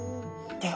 では